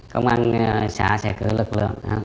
công an xã sẽ cử lực lượng